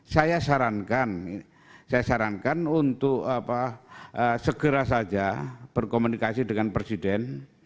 saya sarankan saya sarankan untuk segera saja berkomunikasi dengan presiden